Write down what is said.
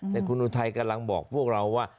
แต่คุณอุทัยกำลังบอกพวกเราว่า